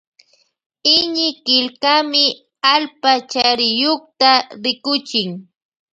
Iñikillkami allpa chariyukta rikuchin.